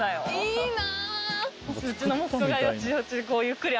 いいな。